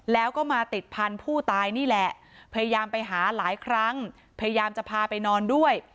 แล้วก็มาติดพันธุ์ผู้ตายนี่แหละพยายามไปหาหลายครั้งพยายามจะพาไปนอนด้วย